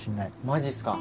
マジっすか？